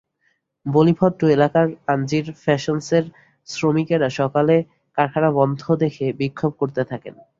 বলিভদ্র এলাকার আনজির ফ্যাশনসের শ্রমিকেরা সকালে কারখানা বন্ধ দেখে বিক্ষোভ করতে থাকেন।